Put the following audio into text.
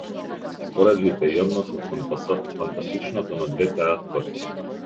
Споредлив е и односот кон фантастичното на двете авторки.